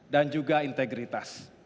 dan juga integritas